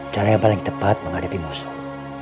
cara yang paling tepat menghadapi musuh